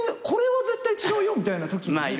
これは絶対違うよみたいなときに。